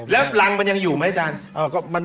แล้วรังมันยังอยู่ไหมอาจารย์